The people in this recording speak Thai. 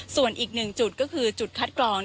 ส่วนอีกหนึ่งจุดก็คือจุดคัดกรอง